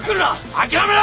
諦めろ！